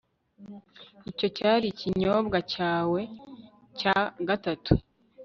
icyo cyari ikinyobwa cyawe cya gatatu